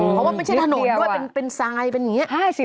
เพราะว่าไม่ใช่ถนนด้วยเป็นทางด้วยเป็นซายเป็นอย่างนี้